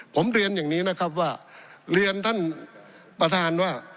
ผมเรียนอย่างนี้นะครับว่าเรียนท่านประธานว่า